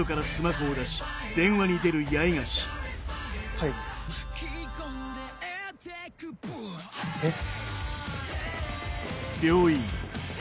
はい。えっ？